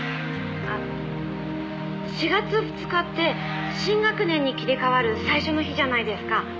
「あ４月２日って新学年に切り替わる最初の日じゃないですか」